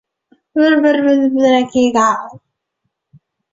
施泰因茨是奥地利施蒂利亚州德意志兰茨贝格县的一个市镇。